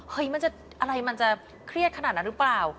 เฮ้ยมันจะเครียดขนาดนั้นหรือเปล่า